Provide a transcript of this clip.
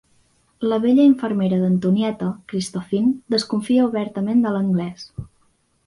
La vella infermera d'Antonieta, Christophine, desconfia obertament de l'anglès.